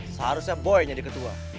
seharusnya boy jadi ketua